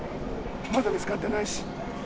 まだ見つかってないし。